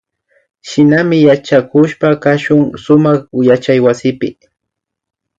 Shinami yachakushpa kashun sumak yachaywasipi